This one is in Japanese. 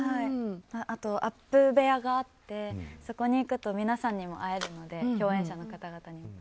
あと、アップ部屋があってそこに行くと皆さんにも会えるので共演者の方々に。